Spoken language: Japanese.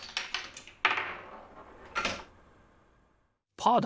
パーだ！